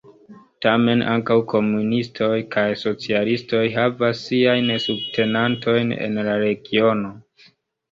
Tamen ankaŭ komunistoj kaj socialistoj havas siajn subtenantojn en la regiono.